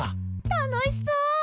楽しそう！